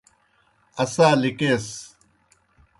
اسا لِکَیس۔